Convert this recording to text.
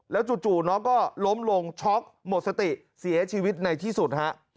แล้วจู่ก็ล้มลงช็อคหมดสติเสียชีวิตในที่สุด